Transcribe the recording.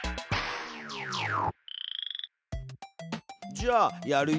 じゃあやるよ。